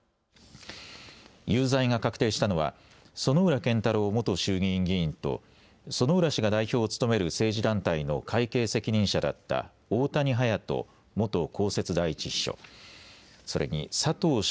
有罪が確定したのは薗浦健太郎元衆議院議員と薗浦氏が代表を務める政治団体の会計責任者だった大谷勇人元公設第１秘書、それに佐藤尚